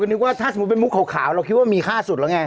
นึกว่าถ้าสมมุติเป็นมุกขาวเราคิดว่ามีค่าสุดแล้วไง